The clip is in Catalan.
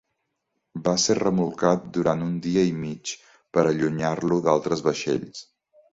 Va ser remolcat durant un dia i mig per allunyar-lo d'altres vaixells.